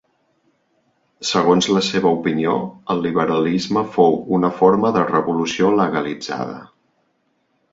Segons la seva opinió, el liberalisme fou una forma de revolució legalitzada.